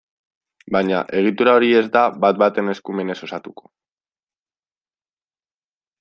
Baina, egitura hori ez da bat-batean eskumenez osatuko.